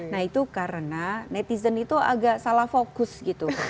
nah itu karena netizen itu agak salah fokus gitu